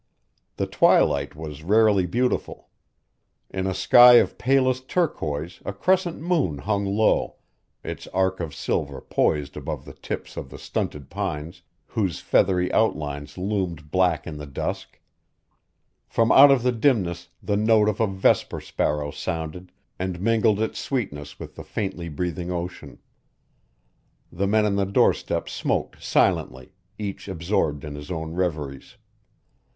The twilight was rarely beautiful. In a sky of palest turquoise a crescent moon hung low, its arc of silver poised above the tips of the stunted pines, whose feathery outlines loomed black in the dusk. From out the dimness the note of a vesper sparrow sounded and mingled its sweetness with the faintly breathing ocean. The men on the doorstep smoked silently, each absorbed in his own reveries.